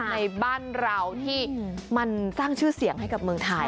ในบ้านเราที่มันสร้างชื่อเสียงให้กับเมืองไทย